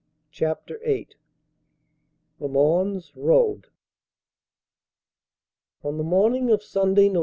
" CHAPTER VIII THE MONS ROAD ON the morning of Sunday, Nov.